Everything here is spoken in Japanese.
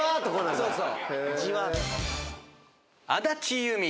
そうそう。